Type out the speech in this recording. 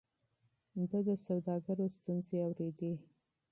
ده د سوداګرو ستونزې اورېدې.